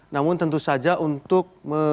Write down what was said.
namun tentu saja untuk